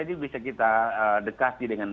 itu bisa kita dekati dengan